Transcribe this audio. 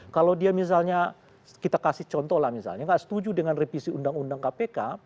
kalau dia misalnya kita kasih contoh lah misalnya nggak setuju dengan revisi undang undang kpk